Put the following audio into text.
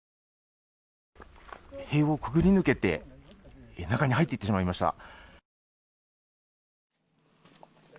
塀をくぐり抜けて中に入っていってしまいました。